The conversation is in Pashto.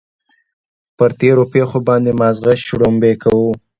پر تېرو پېښو باندې ماغزه شړومبې کوو.